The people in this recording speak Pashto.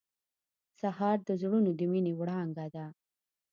سهار د زړونو د مینې وړانګه ده.